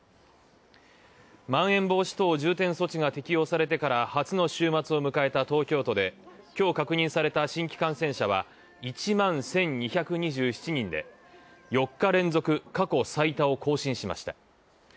まん延防止等重点措置が適用されてから初の週末を迎えた東京都で、今日確認された新規感染者は１万１２２７人で、４日連続過去最多を更新しました。